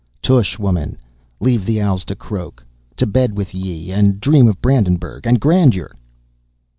"Tush, woman! Leave the owls to croak. To bed with ye, and dream of Brandenburgh and grandeur!"